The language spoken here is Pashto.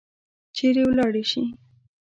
چیرې ولاړي شي؟